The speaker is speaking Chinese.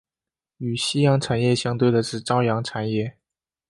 与夕阳产业相对的是朝阳产业。